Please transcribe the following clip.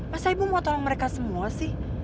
masa ibu mau tolong mereka semua sih